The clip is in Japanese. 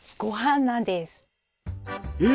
え！